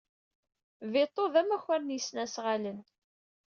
Vito d amakar n yesnasɣalen.